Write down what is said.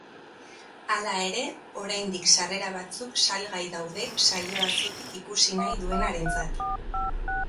Hala ere, oraindik sarrera batzuk salgai daude saioa zutik ikusi nahi duenarentzat.